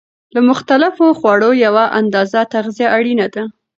له مختلفو خوړو یوه اندازه تغذیه اړینه ده.